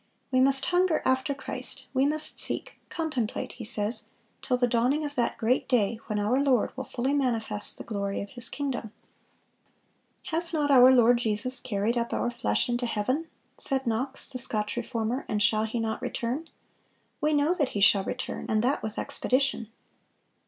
"We must hunger after Christ, we must seek, contemplate," he says, "till the dawning of that great day, when our Lord will fully manifest the glory of His kingdom."(472) "Has not our Lord Jesus carried up our flesh into heaven?" said Knox, the Scotch Reformer, "and shall He not return? We know that He shall return, and that with expedition."